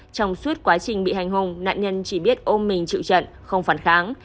trong suốt quá trình bị hành hùng nạn nhân chỉ biết ôm mình chịu trận không phản kháng